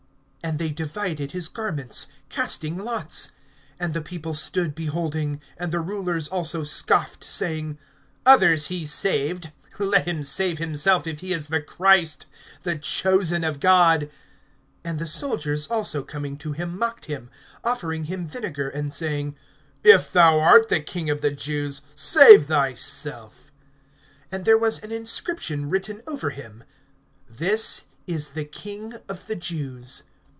And they divided his garments, casting lots. (35)And the people stood beholding. And the rulers also scoffed, saying: Others he saved; let him save himself, if he is the Christ, the chosen of God. (36)And the soldiers also coming to him mocked him, offering him vinegar, (37)and saying: If thou art the King of the Jews, save thyself. (38)And there was an inscription written over him: THIS IS THE KING OF THE JEWS.